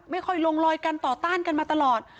ค่อยลงลอยกันต่อต้านกันมาตลอด